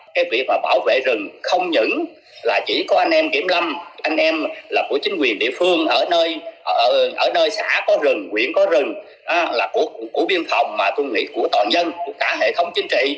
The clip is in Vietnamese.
cái việc mà bảo vệ rừng không những là chỉ có anh em kiểm lâm anh em là của chính quyền địa phương ở nơi xã có rừng quyện có rừng là của biên phòng mà tôi nghĩ của toàn dân của cả hệ thống chính trị